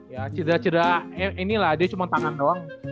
ya cedera cedera ini lah dia cuma tangan doang